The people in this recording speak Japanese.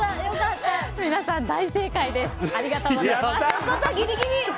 皆さん、大正解です。